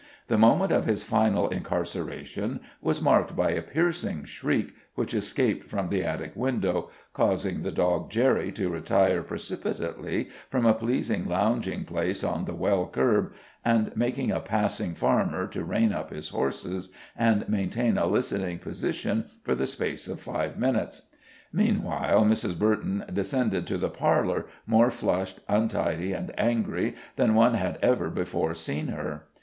The moment of his final incarceration was marked by a piercing shriek which escaped from the attic window, causing the dog Jerry to retire precipitately from a pleasing lounging place on the well curb, and making a passing farmer to rein up his horses, and maintain a listening position for the space of five minutes. Meanwhile Mrs. Burton descended to the parlor, more flushed, untidy and angry than one had ever before seen her.